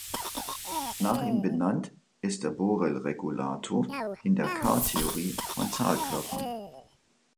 Nach ihm benannt ist der Borel-Regulator in der K-Theorie von Zahlkörpern.